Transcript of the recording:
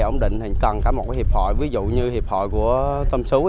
cái đồng rê ổn định cần cả một hiệp hội ví dụ như hiệp hội của tâm xú